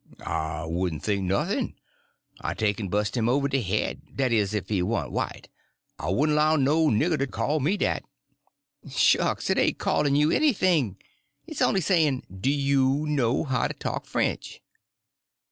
"I wouldn' think nuff'n; I'd take en bust him over de head—dat is, if he warn't white. I wouldn't 'low no nigger to call me dat." "Shucks, it ain't calling you anything. It's only saying, do you know how to talk French?"